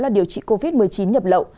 là điều trị covid một mươi chín nhập lậu